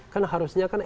kan harusnya kan